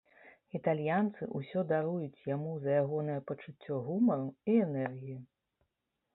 Італьянцы ўсё даруюць яму за ягонае пачуцце гумару і энергію.